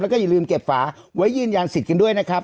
แล้วก็อย่าลืมเก็บฝาไว้ยืนยันสิทธิ์กันด้วยนะครับ